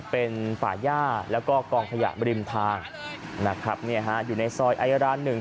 เป็นฝ่าย่าและกองขยะริมทาง